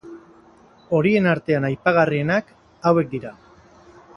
Horien artean aipagarrienak, hauek dira.